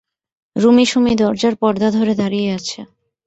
রুমী সুমী দরজার পর্দা ধরে দাঁড়িয়ে আছে।